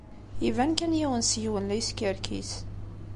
Iban kan yiwen seg-wen la yeskerkis.